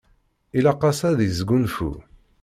Ilaq-as ad yesgunfu.